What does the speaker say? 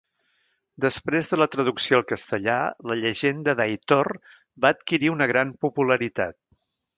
Després de la traducció al castellà, la llegenda d'Aitor va adquirir gran popularitat.